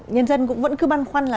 nhân dân cũng vẫn cứ băn khoăn là